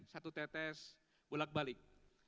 satu tetes bolak balik